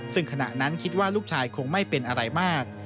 ซึ่งขณะนั้นคิดว่าลูกชายคงไม่เป็นอะไรมาก